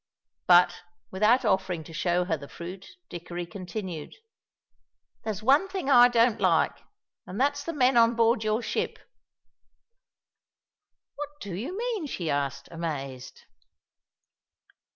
But, without offering to show her the fruit, Dickory continued: "There's one thing I don't like, and that's the men on board your ship." "What do you mean?" she asked, amazed.